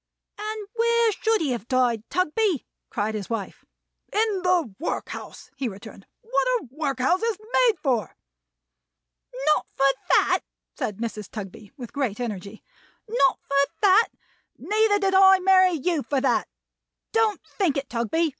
"And where should he have died, Tugby?" cried his wife. "In the workhouse," he returned. "What are workhouses made for?" "Not for that!" said Mrs. Tugby, with great energy. "Not for that! Neither did I marry you for that. Don't think it, Tugby.